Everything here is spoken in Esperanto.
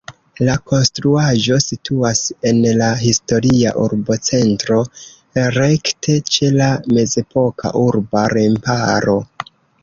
La konstruaĵo situas en la historia urbocentro, rekte ĉe la mezepoka urba remparo.